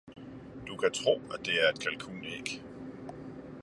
Du kan tro, at det er et kalkunæg!